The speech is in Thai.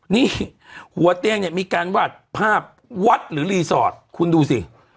นี่หัวเตียงเนี่ยมีการวาดภาพวัดหรือรีสอร์ทคุณดูสิ